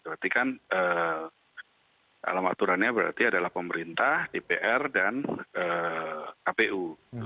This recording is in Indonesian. berarti kan alam aturannya berarti adalah pemerintah dpr dan kpu